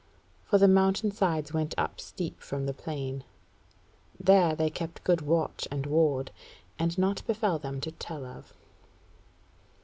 For the mountain sides went up steep from the plain. There they kept good watch and ward, and naught befell them to tell of.